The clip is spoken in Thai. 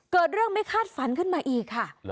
ก็ไม่คาดฝันขึ้นมาอีกค่ะ